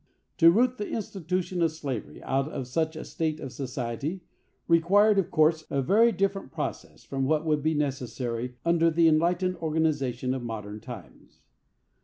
To root the institution of slavery out of such a state of society, required, of course, a very different process from what would be necessary under the enlightened organization of modern times.